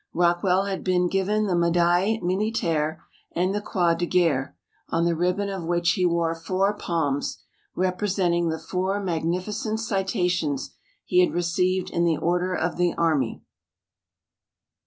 Rockwell had been given the Médaille Militaire and the Croix de Guerre, on the ribbon of which he wore four palms, representing the four magnificent citations he had received in the order of the army.